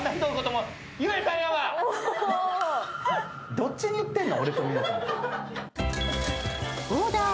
どっちに言ってんの？